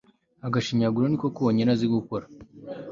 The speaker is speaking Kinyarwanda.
agashinyaguro niko konyine azi gukora